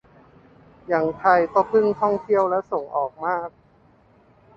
อย่างไทยก็พึ่งท่องเที่ยวและส่งออกมาก